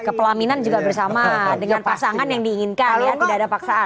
kepelaminan juga bersama dengan pasangan yang diinginkan ya tidak ada paksaan